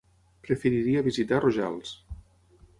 Preferiria visitar Rojals.